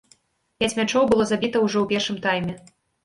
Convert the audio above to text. Пяць мячоў было забіта ўжо ў першым тайме.